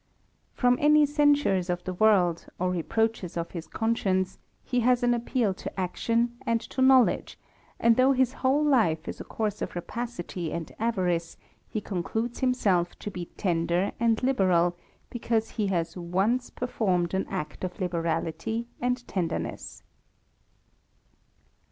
From any censures of the world, or reproaches of his conscience, he has an appeal to action and to knowledge : and though his whole life is a course of rapacity and avarice, he concludes himself to be tender and liberal, because he has once performed an act of liberality and tenderness.